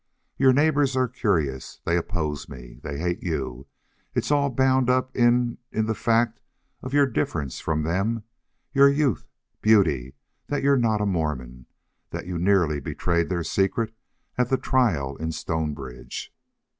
Your neighbors are curious. They oppose me. They hate you. It's all bound up in the the fact of your difference from them, your youth, beauty, that you're not a Mormon, that you nearly betrayed their secret at the trial in Stonebridge."